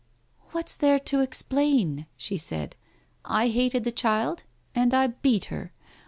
"What's there to explain?" she said. "I hated the child, and I beat her.